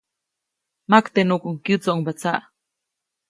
Maktenuʼkuŋ kyätsoʼŋba tsaʼ.